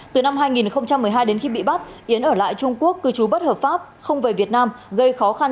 từ năm hai nghìn một mươi hai đến khi bị bắt yến ở lại trung quốc cư trú bất hợp pháp không về việt nam gây khó khăn